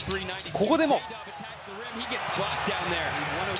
ここでも。